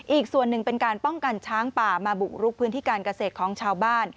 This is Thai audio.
อีกส่วนหนึ่งเป็นการป้องกันช้างป่ามาบุกรุกพื้นที่การเกษตรของชาวบ้าน